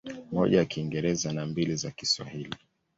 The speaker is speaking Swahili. Moja ya Kiingereza na mbili za Kiswahili.